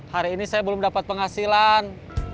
hari ini saya belum dapat penghasilan